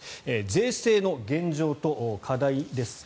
税制の現状と課題です。